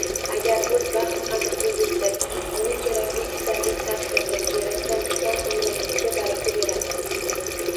Agar biz vaqt qadriga yetsak, uni kerakli ishlarga sarflasak, Yaratgan Egam umrimizga baraka beradi.